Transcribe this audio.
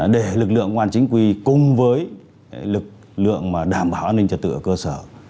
để lực lượng an ninh trật tự ở cơ sở cùng với lực lượng đảm bảo an ninh trật tự ở cơ sở